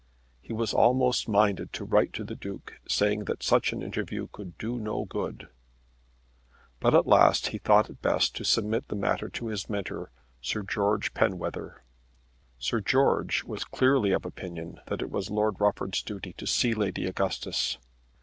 He was almost minded to write to the Duke saying that such an interview could do no good; but at last he thought it best to submit the matter to his mentor, Sir George Penwether. Sir George was clearly of opinion that it was Lord Rufford's duty to see Lady Augustus.